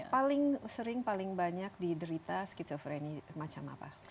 yang paling sering paling banyak diderita schizophrenia macam apa